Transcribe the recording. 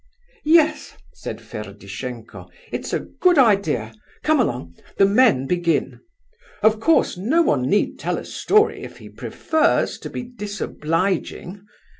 "Yes," said Ferdishenko; "it's a good idea—come along—the men begin. Of course no one need tell a story if he prefers to be disobliging.